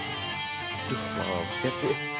aduh mau lobet tuh